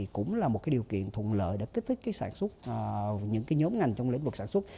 cũng là một điều kiện thuận lợi để kích thích những nhóm ngành trong lĩnh vực sản xuất